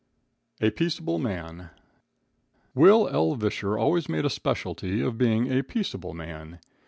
A Peaceable Man. Will L. Visscher always made a specialty of being a peaceable man.